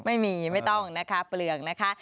ไม่ต้องนะคะเปลืองนะคะ